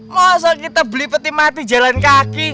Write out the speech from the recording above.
masa kita beli peti mati jalan kaki